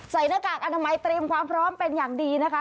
หน้ากากอนามัยเตรียมความพร้อมเป็นอย่างดีนะคะ